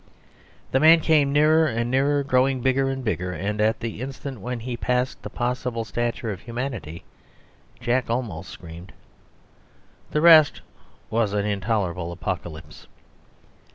The man came nearer and nearer, growing bigger and bigger, and at the instant when he passed the possible stature of humanity Jack almost screamed. The rest was an intolerable apocalypse.